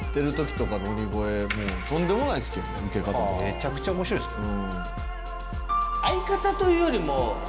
めちゃくちゃ面白いですよね。